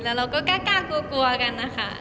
แล้วเราก็กล้ากลัวกันนะคะ